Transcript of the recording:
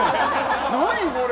何これ？